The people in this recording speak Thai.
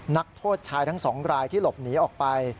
นักโทษชายทั้งสองรายที่หลบหนีออกไป